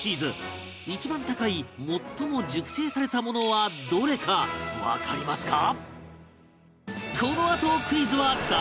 一番高い最も熟成されたものはどれかわかりますか？